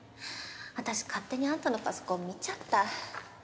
私勝手にあんたのパソコン見ちゃった。